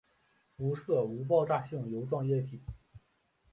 无色无爆炸性油状液体。